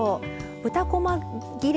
豚こま切れ